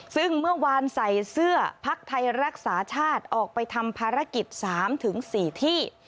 ซึ่งเมื่อวานใส่เสื้อพักไทยรักษาชาติออกไปทำภารกิจ๓๔ที่